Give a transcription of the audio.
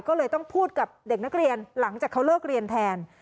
ก็เลยต้องพูดกับเด็กนักเรียนหลังจากเขาเลิกเรียนแทน